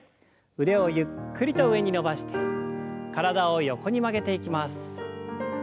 腕をゆっくりと上に伸ばして体を横に曲げていきます。